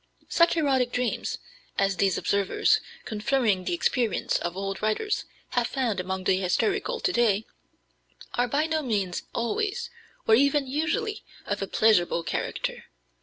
Such erotic dreams as these observers, confirming the experience of old writers, have found among the hysterical to day are by no means always, or even usually, of a pleasurable character.